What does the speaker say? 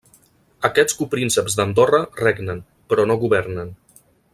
Aquests coprínceps d'Andorra regnen, però no governen.